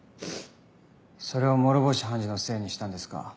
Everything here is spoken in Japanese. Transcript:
それを諸星判事のせいにしたんですか？